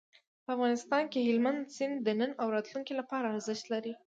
په افغانستان کې هلمند سیند د نن او راتلونکي لپاره ارزښت لري.